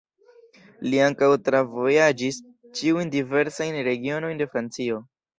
Li ankaŭ travojaĝis ĉiujn diversajn regionojn de Francio.